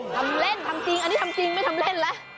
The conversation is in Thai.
ทำเล่นทำจริงอันนี้ทำจริงไม่ทำเล่นแล้ว